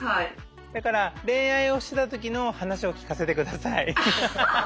だから恋愛をしてた時の話を聞かせてください。